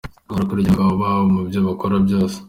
Bakurikirana abagabo babo mu byo bakora byose.